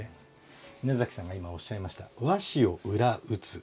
稲さんが今おっしゃいました和紙を「裏打つ」。